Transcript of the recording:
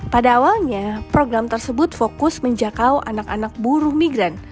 pada awalnya program tersebut fokus menjakau anak anak buruh migran